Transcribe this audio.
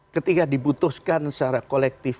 ketika dibutuhkan secara kolektif